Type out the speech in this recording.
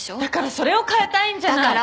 だからそれを変えたいんじゃない！